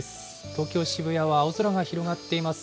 東京・渋谷は青空が広がっています。